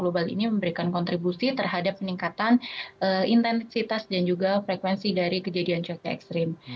global ini memberikan kontribusi terhadap peningkatan intensitas dan juga frekuensi dari kejadian cuaca ekstrim